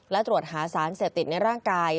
และตรวจหาสารเสพติดในร่างกาย